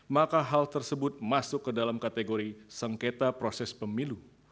maka hal tersebut masuk ke dalam kategori sengketa proses pemilu